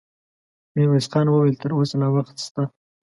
ميرويس خان وويل: تر اوسه لا وخت شته.